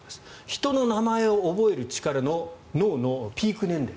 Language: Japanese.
人の名前を覚える力の脳のピーク年齢。